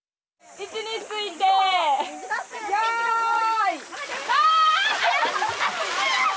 位置についてよいドン！